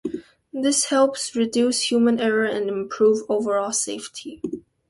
This helps reduce human error and improves overall safety.